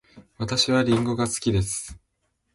私はりんごが好きです。